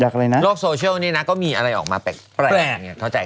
อยากอะไรนะโลกโซเชียลเนี้ยน่ะก็มีอะไรออกมาแปลกแปลกแปลกเข้าใจค่ะ